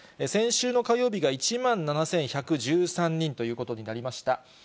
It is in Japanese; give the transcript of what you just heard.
先週の火曜日が１万７１１３人ということになりました。